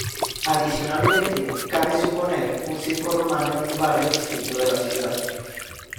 Adicionalmente, cabe suponer un circo romano en un barrio distinto de la ciudad.